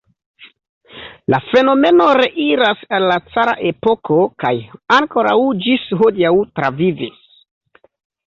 La fenomeno reiras al la cara epoko kaj ankoraŭ ĝis hodiaŭ travivis.